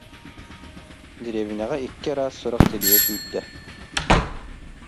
Дэриэбинэҕэ икки араас сурах тилийэ сүүрдэ